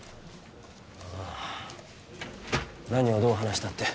ああ何をどう話したって？